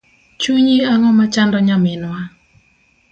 Chunyi ang’o machando nyaminwa?